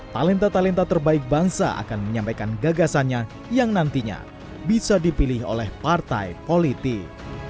talenta talenta terbaik bangsa akan menyampaikan gagasannya yang nantinya bisa dipilih oleh partai politik